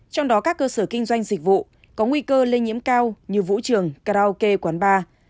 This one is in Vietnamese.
trong đó các cơ sở kinh doanh dịch vụ có nguy cơ lây nhiễm cao như vũ trường karaoke quán bar